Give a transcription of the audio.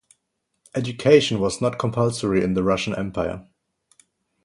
Education was not compulsory in the Russian Empire.